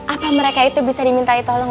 apa mereka itu bisa dimintai tolong